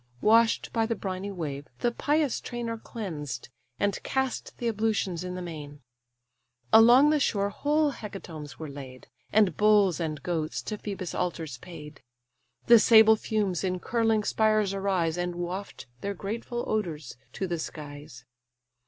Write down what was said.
Wash'd by the briny wave, the pious train Are cleansed; and cast the ablutions in the main. Along the shore whole hecatombs were laid, And bulls and goats to Phœbus' altars paid; The sable fumes in curling spires arise, And waft their grateful odours to the skies.